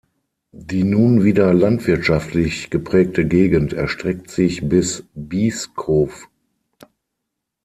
Die nun wieder landwirtschaftlich geprägte Gegend erstreckt sich bis Beeskow.